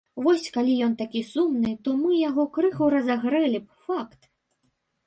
Вось калі ён такі сумны, то мы яго крыху разагрэлі б, факт!